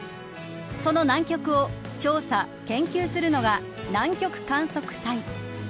その南極を調査、研究するのが南極観測隊。